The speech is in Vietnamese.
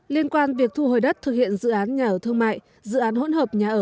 liên quan việc thu hồi đất thực hiện dự án nhà ở thương mại dự án hỗn hợp nhà ở